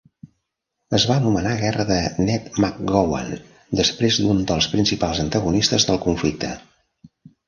Es va anomenar guerra de Ned McGowan després d'un dels principals antagonistes del conflicte.